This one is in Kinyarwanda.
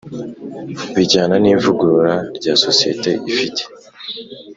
Bijyana n ivugurura rya sosiyete ifite